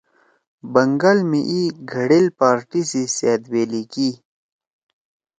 بنگال می اِی گھڑیل پارٹی سی سأدویلی کی